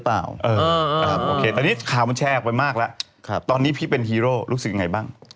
ตอนนี้ข่าวมันแชร์ออกไปมากแล้วตอนนี้พี่เป็นฮีโร่รู้สึกยังไงบ้าง